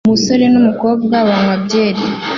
umusore n'umukobwa banywa byeri